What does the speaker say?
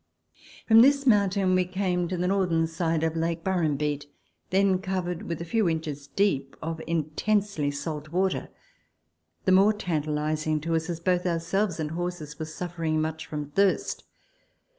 From this mountain we came to the northern side of Lake Burrumbeet, then covered with a few inches deep of intensely salt water, the more tantalizing to us, as both ourselv.es and horses were suffering much from thirst.